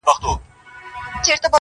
• دي روح کي اغښل سوی دومره.